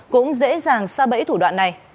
cũng dễ dàng xa bẫy thủ đoạn này